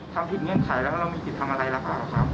ทำผิดเงื่อนไขแล้วเรามีสิทธิ์ทำอะไรล่ะครับ